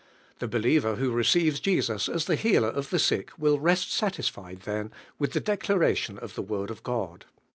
The believer who receives Jesus as the Healer of the sick will rest satisfied then with the declaration of the Word of God.